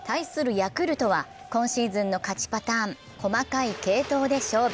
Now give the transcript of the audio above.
ヤクルトは、今シーズンの勝ちパターン、細かい継投で勝負。